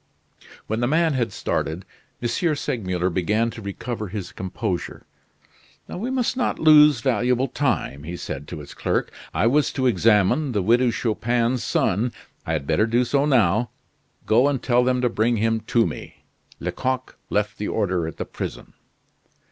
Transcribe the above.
When the man had started, M. Segmuller began to recover his composure. "We must not lose valuable time," he said to his clerk. "I was to examine the widow Chupin's son. I had better do so now. Go and tell them to bring him to me. Lecoq left the order at the prison."